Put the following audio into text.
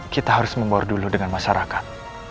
kita harus membawa dulu dengan masyarakat